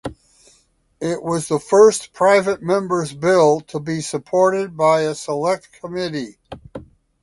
It was the first Private Member's Bill to be supported by a Select Committee.